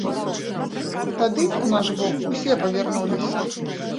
Тады б у наш бок усе павярнуліся.